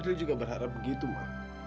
fadil juga berharap begitu ma